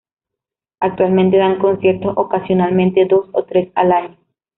Actualmente dan conciertos ocasionalmente, dos o tres al año.